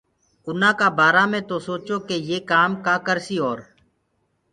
اُنآ بآرآ مي تو سوچو ڪي يي ڪآم ڪآ ڪرسيٚ اور